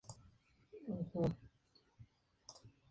Administrativamente depende del Estado Apure en la Región de los Llanos.